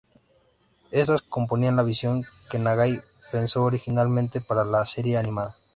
Estas componían la visión que Nagai pensó originalmente para la serie animada.